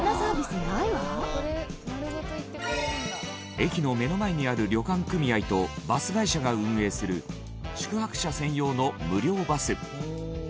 駅の目の前にある旅館組合とバス会社が運営する宿泊者専用の無料バス。